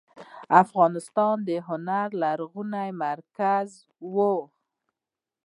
افغانستان د هنر لرغونی مرکز و.